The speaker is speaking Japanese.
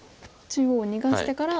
中央逃がしてから。